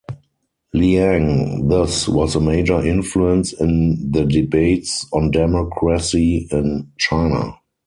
Liang thus was a major influence in the debates on democracy in China.